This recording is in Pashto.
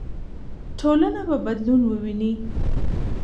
ټولنه به بدلون وویني.